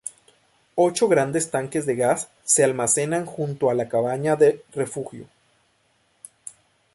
Ocho grandes tanques de gas se almacenan junto a la cabaña de refugio.